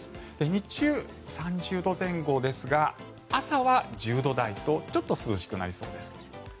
日中、３０度前後ですが朝は１０度台とちょっと涼しくなりそうです。